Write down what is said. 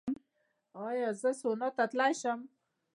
ایا زه سونا ته تلی شم؟